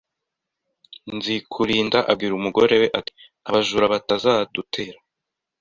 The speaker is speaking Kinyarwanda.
Nzikurinda abwira umugore we ati abajurabatazadutera